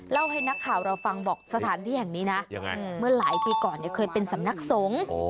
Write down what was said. เล่าให้นักข่าวเราฟังบอกสถานที่แห่งนี้นะเมื่อหลายปีก่อนเคยเป็นสำนักสงฆ์